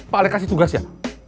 pak alek kasih tugas ya